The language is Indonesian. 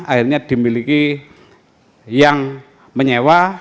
akhirnya dimiliki yang menyewa